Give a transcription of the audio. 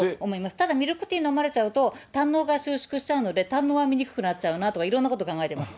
ただミルクティー飲まれちゃうと胆のうが収縮しちゃうので、胆のうは見にくくなっちゃうなとか、いろんなこと考えてます。